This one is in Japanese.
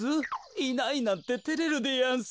いないなんててれるでやんす。